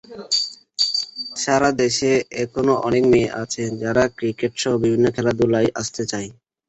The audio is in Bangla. সারা দেশে এখনো অনেক মেয়ে আছে, যারা ক্রিকেটসহ বিভিন্ন খেলাধুলায় আসতে চায়।